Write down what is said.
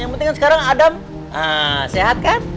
yang penting sekarang adam sehat kan